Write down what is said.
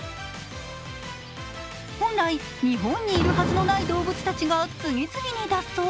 本来、日本にいるはずのない動物たちが次々に脱走。